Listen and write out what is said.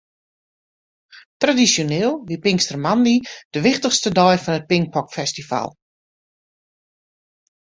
Tradisjoneel wie pinkstermoandei de wichtichste dei fan it Pinkpopfestival.